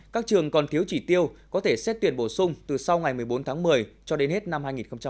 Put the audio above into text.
các trường còn thiếu chỉ tiêu có thể xét tuyển bổ sung từ sau ngày một mươi bốn tháng một mươi cho đến hết năm hai nghìn hai mươi